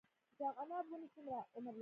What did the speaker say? د عناب ونې څومره عمر لري؟